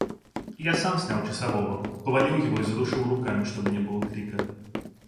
Я сам снял часового: повалил его и задушил руками, чтобы не было крика.